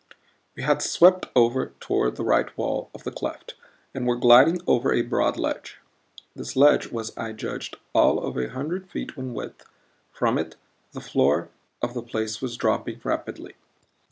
We had swept over toward the right wall of the cleft and were gliding over a broad ledge. This ledge was, I judged, all of a hundred feet in width. From it the floor of the place was dropping rapidly.